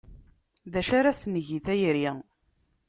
D acu ara s-neg i tayri?